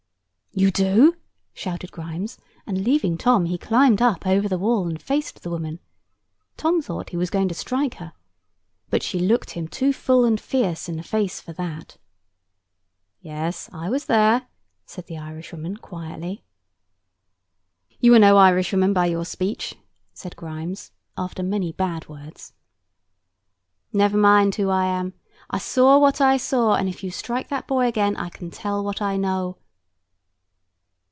"You do?" shouted Grimes; and leaving Tom, he climbed up over the wall, and faced the woman. Tom thought he was going to strike her; but she looked him too full and fierce in the face for that. "Yes; I was there," said the Irishwoman quietly. "You are no Irishwoman, by your speech," said Grimes, after many bad words. "Never mind who I am. I saw what I saw; and if you strike that boy again, I can tell what I know."